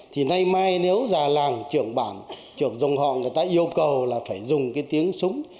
thì nay mai nếu già làng trưởng bản trưởng dòng họ người ta yêu cầu là phải dùng cái tiếng súng